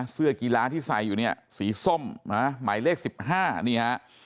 เสื้อกีฬาที่ใส่อยู่เนี่ยสีส้มนะฮะหมายเลข๑๕นี่ฮะ